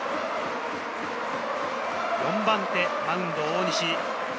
４番手マウンド、大西。